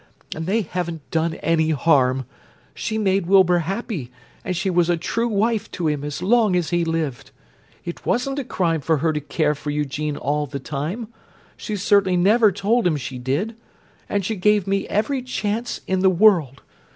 And they haven't done any harm: she made Wilbur happy, and she was a true wife to him as long as he lived. It wasn't a crime for her to care for Eugene all the time; she certainly never told him she did—and she gave me every chance in the world!